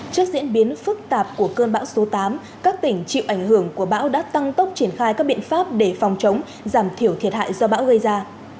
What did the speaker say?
trước diễn biến phức tạp của cơn bão số tám các tỉnh chịu ảnh hưởng của bão đã tăng tốc triển khai các biện pháp để phòng chống giảm thiểu thiệt hại do bão gây ra